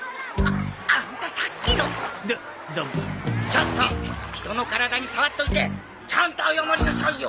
ちょっと人の体に触っといてちゃんと謝りなさいよ！